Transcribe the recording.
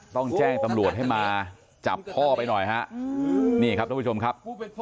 ต้องแจ้งตำรวจให้มาจับพ่อไปหน่อยฮะนี่ครับทุกผู้ชมครับ